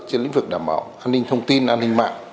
trên lĩnh vực đảm bảo an ninh thông tin an ninh mạng